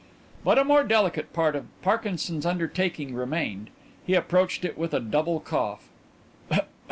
But a more delicate part of Parkinson's undertaking remained. He approached it with a double cough.